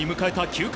９回。